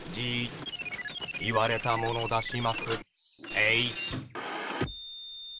えい！